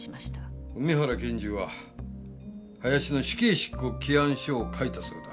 梅原検事は林の死刑執行起案書を書いたそうだ。